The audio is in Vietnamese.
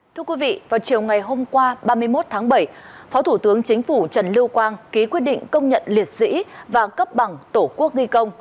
thưa quý vị vào chiều ngày hôm qua ba mươi một tháng bảy phó thủ tướng chính phủ trần lưu quang ký quyết định công nhận liệt sĩ và cấp bằng tổ quốc ghi công